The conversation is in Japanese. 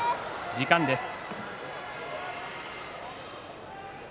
時間です。